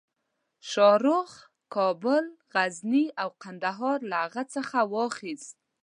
شاهرخ کابل، غزني او قندهار له هغه څخه واخیستل.